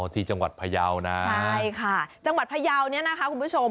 ที่จังหวัดพยาวนะใช่ค่ะจังหวัดพยาวเนี่ยนะคะคุณผู้ชม